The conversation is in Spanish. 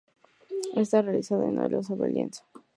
Está realizada en óleo sobre lienzo.